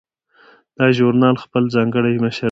دا ژورنال خپل ځانګړی مشر لري.